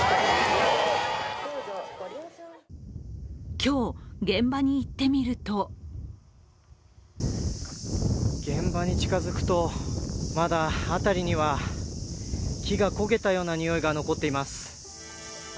今日、現場に行ってみると現場に近づくと、まだ辺りには木が焦げたようなにおいが残っています。